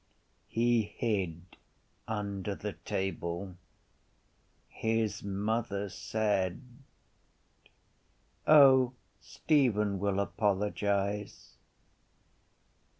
He hid under the table. His mother said: —O, Stephen will apologise.